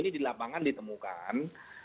ini di lapangan ditemukan